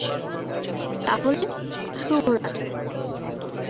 তাহলে, শুভরাত্রি।